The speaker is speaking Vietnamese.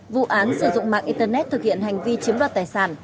vụ án sử dụng mạng internet thực hiện hành vi chiếm đoạt tài sản